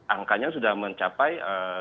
angkanya sudah mencapai